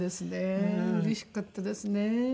うれしかったですね。